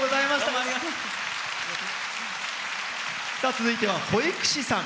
続いては保育士さん。